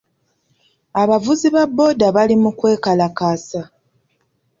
Abavuzi ba booda bali mu kwekalakaasa.